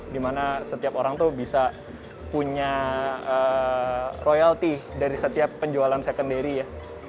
dimana setiap orang tuh bisa punya royalty dari setiap penjualan secondary ya